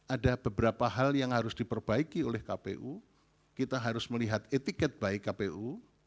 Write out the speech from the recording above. ada beberapa hal yang harus diperbaiki oleh kpu kita harus melihat etiket baik kpu